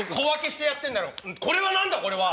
これは何だこれは。